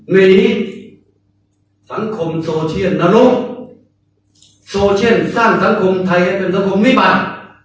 นี้สังคมโซเชียลนรกโซเชียลสร้างสังคมไทยให้เป็นสังคมวิบาก